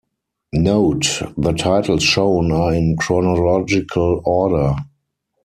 Note: The titles shown are in chronological order.